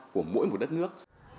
của mỗi một đất nước